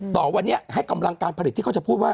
ต่อวันนี้ให้กำลังการผลิตที่เขาจะพูดว่า